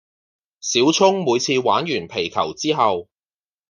小聰每次玩完皮球之後